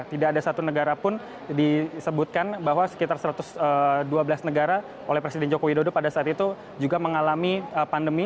tidak ada satu negara pun disebutkan bahwa sekitar satu ratus dua belas negara oleh presiden joko widodo pada saat itu juga mengalami pandemi